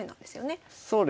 そうですねはい。